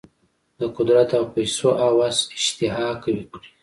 د قدرت او پیسو هوس اشتها قوي کړې.